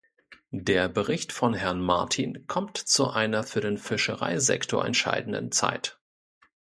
Der Bericht von Herrn Martin kommt zu einer für den Fischereisektor entscheidenden Zeit.